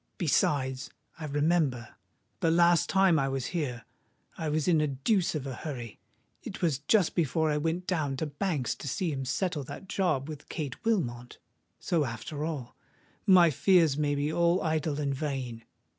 Besides—I remember—the last time I was here, I was in a deuce of a hurry: it was just before I went down to Banks's to see him settle that job with Kate Wilmot. So, after all—my fears may be all idle and vain!